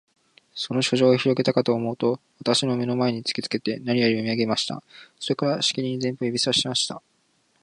その書状をひろげたかとおもうと、私の眼の前に突きつけて、何やら読み上げました。それから、しきりに前方を指さしました。